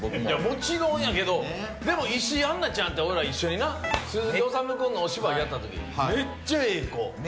もちろんやけどでも石井杏奈ちゃんと一緒にな鈴木おさむ君のお芝居やった時めっちゃええ子。